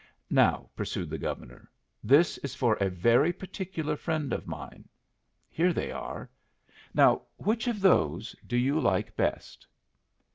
"Now," pursued the Governor, "this is for a very particular friend of mine. Here they are. Now, which of those do you like best?"